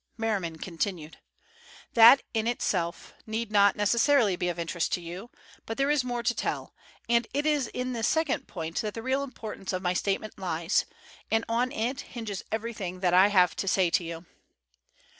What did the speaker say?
Merriman continued: "That in itself need not necessarily be of interest to you, but there is more to tell, and it is in this second point that the real importance of my statement lies, and on it hinges everything that I have to say to you.